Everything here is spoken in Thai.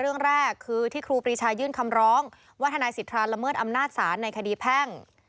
เรื่องแรกคือที่ครูปรีชายื่นคำร้องว่าทนายสิทธาละเมิดอำนาจศาลในคดีแพ่ง